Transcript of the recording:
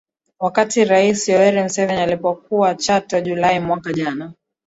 Wakati Raisi Yoweri Museveni alipokuwa Chato Julai mwaka jana